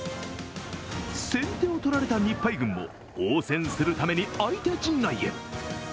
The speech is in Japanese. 先手を取られた日配軍も応戦するために相手陣内へ。